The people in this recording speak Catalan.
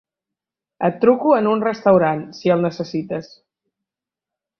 Et truco en un restaurant, si el necessites.